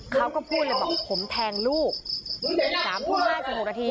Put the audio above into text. เขาก็พูดเลยบอกผมแทงลูกสามทุ่มห้าสิบสามนาที